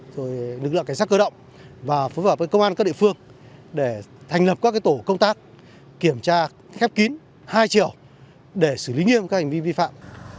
rồi lực lượng cảnh sát cơ động và phối hợp với công an các địa phương để thành lập các tổ công tác kiểm tra khép kín hai triệu để xử lý nghiêm các hành vi vi phạm